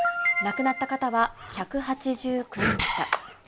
亡くなった方は１８９人でした。